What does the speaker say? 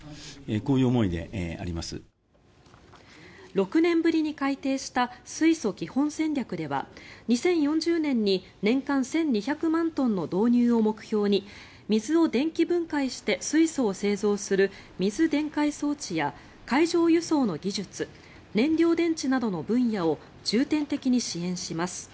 ６年ぶりに改定した水素基本戦略では２０４０年に年間１２００万トンの導入を目標に水を電気分解して水素を製造する水電解装置や海上輸送の技術燃料電池車などの分野を重点的に支援します。